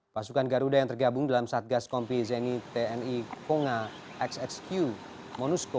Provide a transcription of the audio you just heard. pasukan garuda yang tergabung dalam satgas kompi zeni tni konga xxq monusco